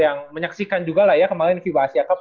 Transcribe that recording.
yang menyaksikan juga kemarin fiba asia cup